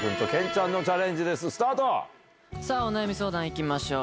お悩み相談行きましょう。